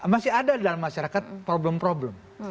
masih ada di dalam masyarakat problem problem